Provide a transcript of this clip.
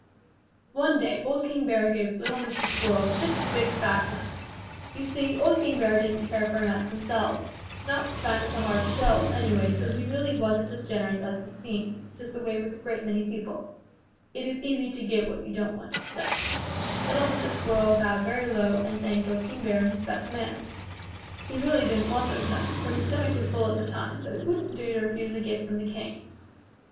"One day old King Bear gave little Mr. Squirrel six big, fat nuts. You see, old King Bear didn't care for nuts himself, not the kind with the hard shells, anyway, so he really wasn't as generous as he seemed, which is the way with a great many people. It is easy to give what you don't want yourself. Little Mr. Squirrel bowed very low and thanked old King Bear in his best manner. He really didn't want those nuts, for his stomach was full at the time, but it wouldn't do to refuse a gift from the king.